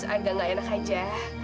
agak gak enak aja